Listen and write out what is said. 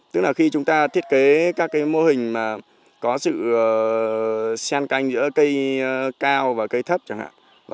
tức là khi chúng ta thiết kế các cái mô hình mà có sự sen canh giữa cây cao và cây thấp chẳng hạn